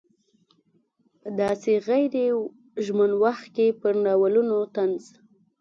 په داسې غیر ژمن وخت کې پر ناولونو طنز.